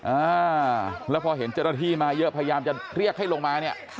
อ่าแล้วพอเห็นเจ้าหน้าที่มาเยอะพยายามจะเรียกให้ลงมาเนี่ย